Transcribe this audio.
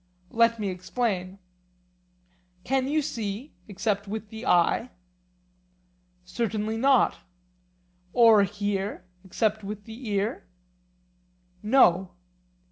Let me explain: Can you see, except with the eye? Certainly not. Or hear, except with the ear? No.